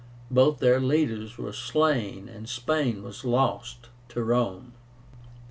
Both their leaders were slain, and Spain was lost to Rome.